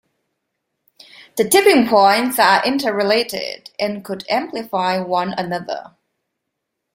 The tipping points are interrelated, and could amplify one another.